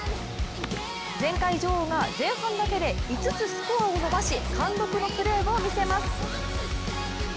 前回女王が前半だけで５つスコアを伸ばし貫禄のプレーを見せます。